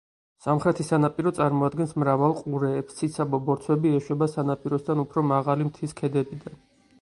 სამხრეთი სანაპირო წარმოადგენს მრავალ ყურეებს; ციცაბო ბორცვები ეშვება სანაპიროსთან უფრო მაღალი მთის ქედებიდან.